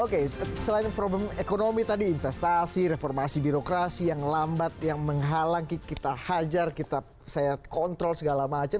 oke selain problem ekonomi tadi investasi reformasi birokrasi yang lambat yang menghalangi kita hajar saya kontrol segala macam